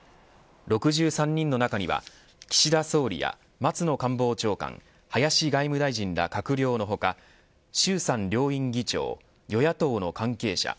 ６３人の中には岸田総理や松野官房長官林外務大臣ら閣僚の他衆参両院議長与野党の関係者